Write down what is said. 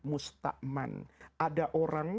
musta'man ada orang